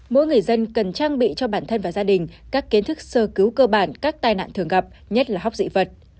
mỗi người dân cần trang bị cho bản thân và gia đình các kiến thức sơ cứu cơ bản các tai nạn thường gặp nhất là hóc dị vật